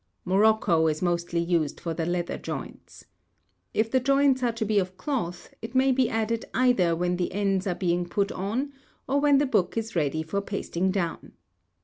Morocco is mostly used for the leather joints. If the joints are to be of cloth, it may be added either when the ends are being put on, or when the book is ready for pasting down.